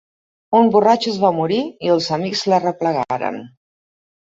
Un borratxo es va morir i els amics l’arreplegaren.